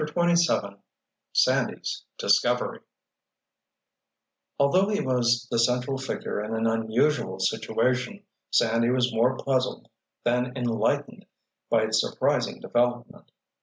CHAPTER XXVII SANDY'S DISCOVERY Although he was the central figure in an unusual situation, Sandy was more puzzled than enlightened by its surprising development.